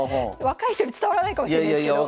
若い人に伝わらないかもしれないですけど。